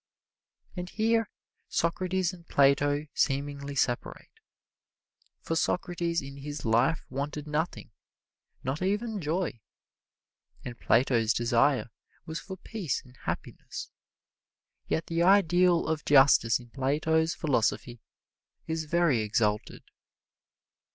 And here Socrates and Plato seemingly separate, for Socrates in his life wanted nothing, not even joy, and Plato's desire was for peace and happiness. Yet the ideal of justice in Plato's philosophy is very exalted.